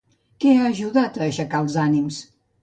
Què ha ajudat a aixecar els ànims?